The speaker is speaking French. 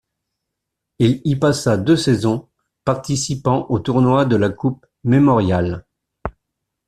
Il y passa deux saisons, participant au tournoi de la Coupe Memorial.